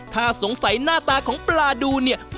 ถ้าสงสัยหน้าตาของปลาดูเนี่ย